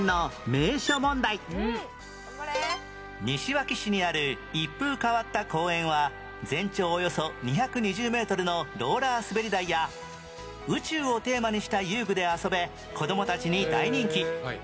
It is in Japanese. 西脇市にある一風変わった公園は全長およそ２２０メートルのローラーすべり台や宇宙をテーマにした遊具で遊べ子供たちに大人気